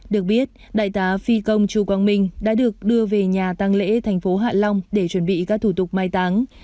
được biết đại tá phi công chú quang minh đã được đưa về nhà tăng lễ thành phố hạ long để chuẩn bị các thủ tục mai táng